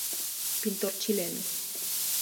Pintor chileno.